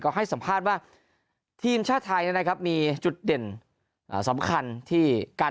ก็ให้สัมภาษณ์ว่าทีมชาติไทยนะครับมีจุดเด่นสำคัญที่การ